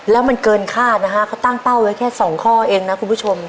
แล้วมันเกินคาดนะฮะเขาตั้งเป้าไว้แค่สองข้อเองนะคุณผู้ชม